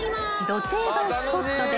［ど定番スポットで］